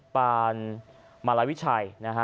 ปานมาลวิชัย